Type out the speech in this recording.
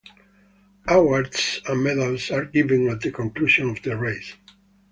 Awards and medals are given at the conclusion of the race.